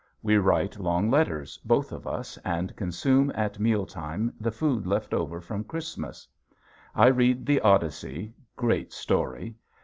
We write long letters, both of us, and consume at meal time the food left over from Christmas. I read the "Odyssey," great story!